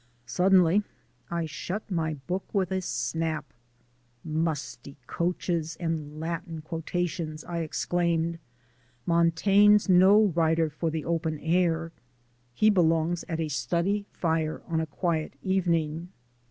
Suddenly I shut my book with a snap. "Musty coaches and Latin quotations!" I exclaimed. "Montaigne's no writer for the open air. He belongs at a study fire on a quiet evening!"